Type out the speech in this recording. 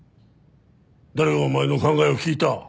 誰がお前の考えを聞いた？